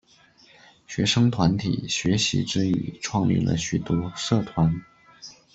学生团体学习之余创立了许多社团。